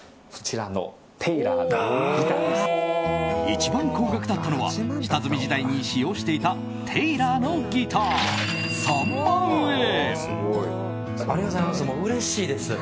一番高額だったのは下積み時代に使用していたテイラーのギター、３万円。